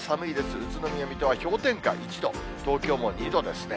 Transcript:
宇都宮、水戸は氷点下１度、東京も２度ですね。